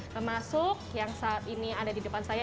termasuk yang saat ini ada di depan saya